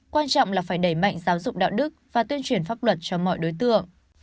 quan trọng là phải đẩy mạnh giáo dục đạo đức và tuyên truyền pháp luật cho mọi đối tượng